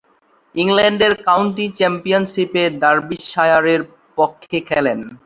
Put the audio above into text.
ইংল্যান্ডের কাউন্টি চ্যাম্পিয়নশীপে ডার্বিশায়ারের পক্ষে খেলেন।